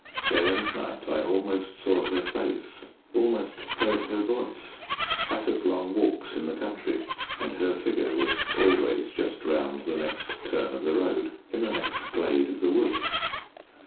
Day and night I almost saw her face almost heard her voice. I took long walks in the country, and her figure was always just round the next turn of the road in the next glade of the wood.